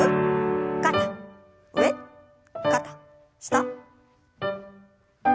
肩上肩下。